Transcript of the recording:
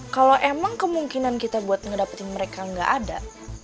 kalau emang kemungkinan kita buat ngedapetin mereka nggak ada